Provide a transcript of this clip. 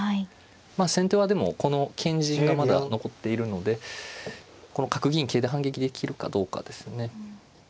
まあ先手はでもこの堅陣がまだ残っているのでこの角銀桂で反撃できるかどうかですね。